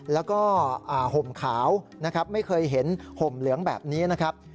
แล้วก็ห่มขาวนะครับไม่เคยเห็นห่มเหลืองแบบนี้นะครับ